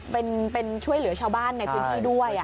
เป็นช่วยเหลือชาวบ้านในพื้นที่ด้วย